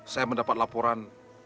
saya mendapat laporan